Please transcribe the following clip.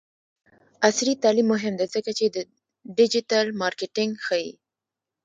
عصري تعلیم مهم دی ځکه چې د ډیجیټل مارکیټینګ ښيي.